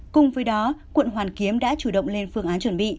cùng với đó quận hoàn kiếm đã chủ động lên phương án chuẩn bị